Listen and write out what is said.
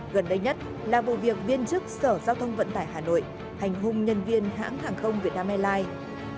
gần đây nhất là vụ việc viên chức sở giao thông vận tải hà nội hành hung nhân viên hãng hàng không việt nam airlines